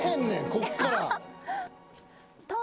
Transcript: ここから。